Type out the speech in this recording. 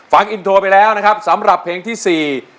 ฟังอินโทรไปแล้วนะครับสำหรับเพลงที่สี่